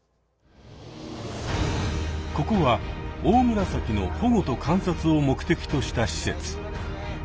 ここはオオムラサキの保護と観察を目的とした施設。